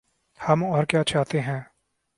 ہم اور کیا چاہتے ہیں۔